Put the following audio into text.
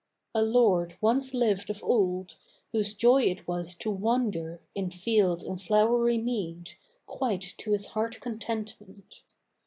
A lord once lived of old, whose joy it was to wander In field and flowery mead, quite to his heart's contentment.